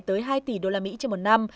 tới hai tỷ usd trong một năm